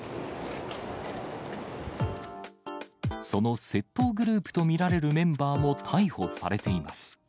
その窃盗グループと見られるメンバーも逮捕されています。